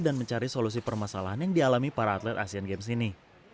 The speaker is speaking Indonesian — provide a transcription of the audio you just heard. dan mencari solusi permasalahan yang dialami para atlet asean games ini